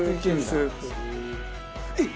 えっ！